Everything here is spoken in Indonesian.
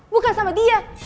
bukan sama dia